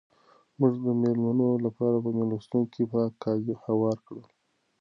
موږ د مېلمنو لپاره په مېلمستون کې پاک کالي هوار کړل.